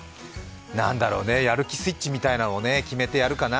何だろうね、やる気スイッチみたいのを決めてやるかな。